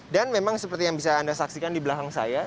dan memang seperti yang bisa anda saksikan di belakang saya